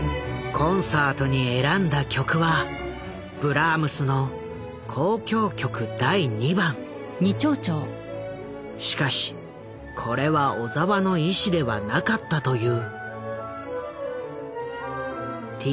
コンサートに選んだ曲はしかしこれは小澤の意思ではなかったという。